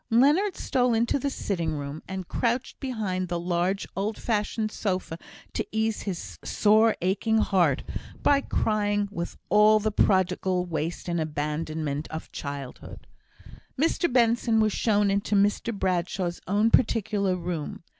Leonard stole into the sitting room, and crouched behind the large old fashioned sofa to ease his sore, aching heart, by crying with all the prodigal waste and abandonment of childhood. Mr Benson was shown into Mr Bradshaw's own particular room.